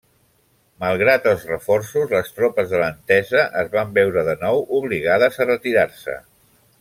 Malgrat els reforços, les tropes de l'Entesa es van veure de nou obligades a retirar-se.